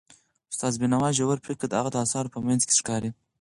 د استاد بینوا ژور فکر د هغه د اثارو په منځ کې ښکاري.